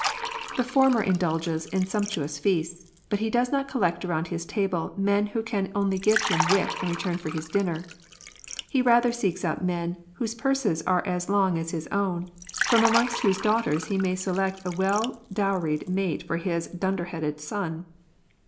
The former indulges in sumptuous feasts, but he does not collect around his table men who can only give him wit in return for his dinner ; he rather seeks out men whose purses are as long as his own, from amongst whose daughters he may select a well dowried mate for his dunderheaded son.